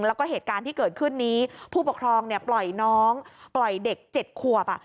แล้วก็เหตุการณ์ที่เกิดขึ้นนี้ผู้ปกครองปล่อยน้องปล่อยเด็ก๗ขวบ